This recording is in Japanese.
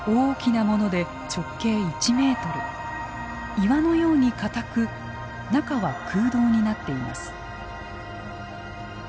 岩のように硬く中は空洞になっています。